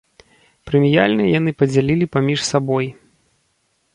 Прэміяльныя яны падзялілі паміж сабой.